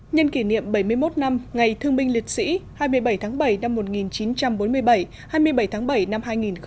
nhân kỷ niệm bảy mươi một năm ngày thương binh liệt sĩ hai mươi bảy tháng bảy năm một nghìn chín trăm bốn mươi bảy hai mươi bảy tháng bảy năm hai nghìn một mươi chín